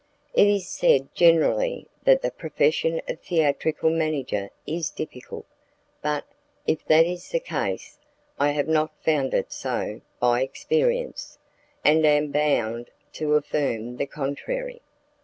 It is said generally that the profession of theatrical manager is difficult, but, if that is the case, I have not found it so by experience, and am bound to affirm the contrary.